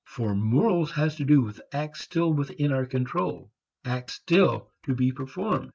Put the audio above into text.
For morals has to do with acts still within our control, acts still to be performed.